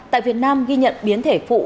tại việt nam ghi nhận biến thể phụ